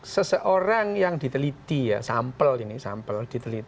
seseorang yang diteliti sampel ini diteliti